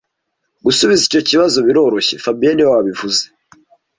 Gusubiza icyo kibazo biroroshye fabien niwe wabivuze